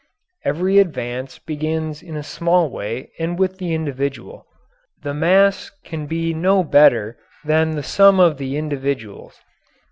Every advance begins in a small way and with the individual. The mass can be no better than the sum of the individuals.